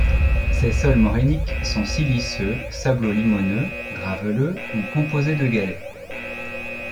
Ses sols morainiques sont siliceux, sablo-limoneux, graveleux ou composés de galets.